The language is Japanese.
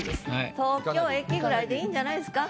「東京駅」ぐらいでいいんじゃないですか？